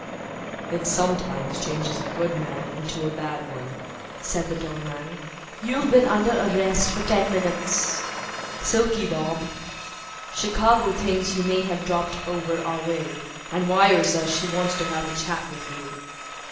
"It sometimes changes a good man into a bad one, said the tall man. "You've been under arrest for ten minutes, 'Silky' Bob. Chicago thinks you may have dropped over our way and wires us she wants to have a chat with you.